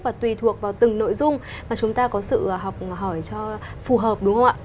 và tùy thuộc vào từng nội dung mà chúng ta có sự học hỏi cho phù hợp đúng không ạ